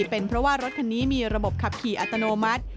เป็นเพราะว่ารถคันนี้มีระบบขับขี่อัตโนมัติ